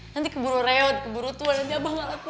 nanti keburu reot keburu tua nanti abah ngelakuin